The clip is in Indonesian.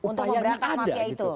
untuk memberantas mafia itu